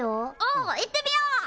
お行ってみよう。